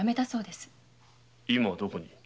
今どこに？